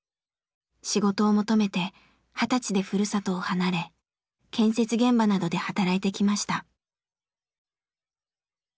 仕事を求めて二十歳でふるさとを離れ建設現場などで働いてきました。